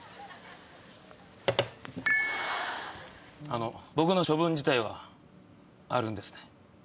あの僕の処分自体はあるんですね？